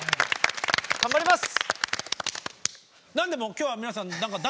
頑張ります。